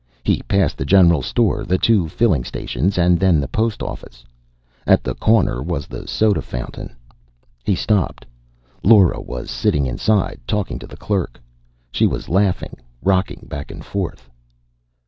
He passed the general store, the two filling stations, and then the post office. At the corner was the soda fountain. He stopped. Lora was sitting inside, talking to the clerk. She was laughing, rocking back and forth.